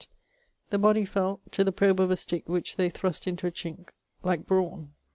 The body felt, to the probe of a stick which they thrust into a chinke, like brawne.